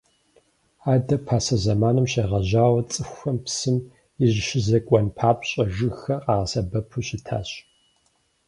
Адэ пасэ зэманым щегъэжьауэ цӏыхухэм псым ирищызекӏуэн папщӏэ жыгхэр къагъэсэбэпу щытащ.